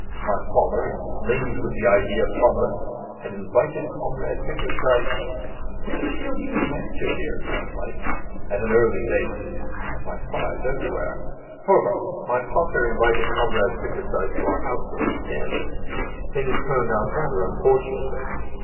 My father inflamed with the idea of Commerce had invited Comrade Bickersdyke ' 'When did you know he was a manager here?' asked Mike. 'At an early date. I have my spies everywhere. However, my pater invited Comrade Bickersdyke to our house for the weekend. Things turned out rather unfortunately.